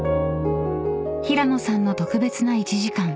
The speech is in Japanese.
［平野さんの特別な１時間］